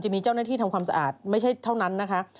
มีเจ้าหน้าที่ทำความสะอาดไม่ใช่เท่านั้นนะคะ